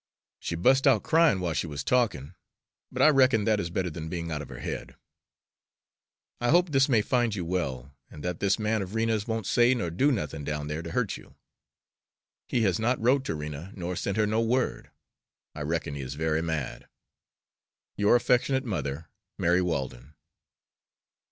She bust out crying while she was talking, but I reckon that is better than being out of her head. I hope this may find you well, and that this man of Rena's won't say nor do nothing down there to hurt you. He has not wrote to Rena nor sent her no word. I reckon he is very mad. Your affectionate mother, MARY WALDEN.